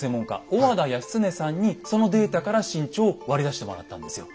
小和田泰経さんにそのデータから身長を割り出してもらったんですよ。